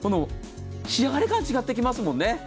仕上がりから違ってきますよね。